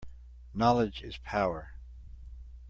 Knowledge is power.